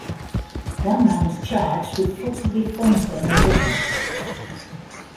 One man was charged with forcibly fondling a woman.